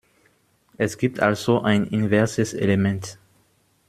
Es gibt also ein inverses Element.